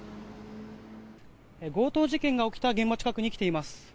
強盗事件が起きた現場近くに来ています。